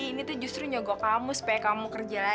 antoni kamu udah sadar